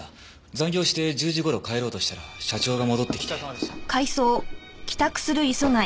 残業して１０時頃帰ろうとしたら社長が戻ってきて。